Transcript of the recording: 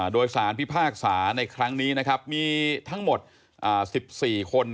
โดยสารพิพากษาในครั้งนี้นะครับมีทั้งหมด๑๔คน